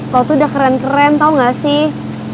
kalau tuh udah keren keren tau gak sih